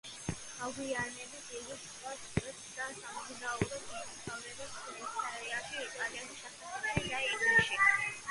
მოგვიანებით იგი სწავლას წყვეტს და სამოგზაუროდ მიემგზავრება შვეიცარიაში, იტალიაში, საფრანგეთში და ინგლისში.